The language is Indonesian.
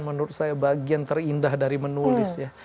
menurut saya bagian terindah dari menulis ya